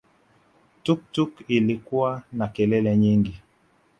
Tuktuk ilikuwa na kelele nyingi